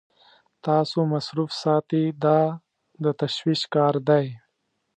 تاسو مصروف ساتي دا د تشویش کار دی.